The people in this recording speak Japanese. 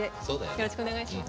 よろしくお願いします。